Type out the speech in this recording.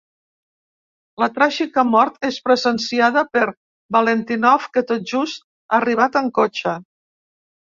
La tràgica mort és presenciada per Valentinov, que tot just ha arribat en cotxe.